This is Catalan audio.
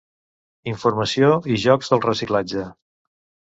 Informació i jocs del reciclatge.